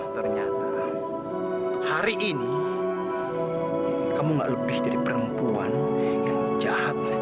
ternyata hari ini kamu gak lebih dari perempuan yang jahat lah